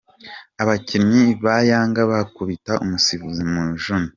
Abakinnyi ba Yanga bakubita umusifuzi Mujuni.